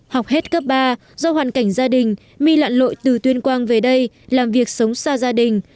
học hết cấp ba do hoàn cảnh gia đình my lạn lội từ tuyên quang về đây làm việc sống xa gia đình